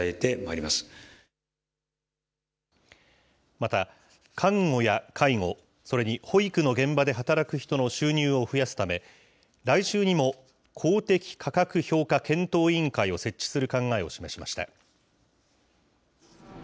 また、看護や介護、それに保育の現場で働く人の収入を増やすため、来週にも公的価格評価検討委員会を設置する考えを示しました。